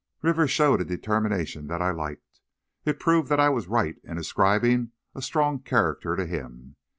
Rivers showed a determination that I liked. It proved that I was right in ascribing a strong character to him.